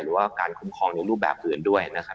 หรือว่าการคุ้มครองในรูปแบบอื่นด้วยนะครับ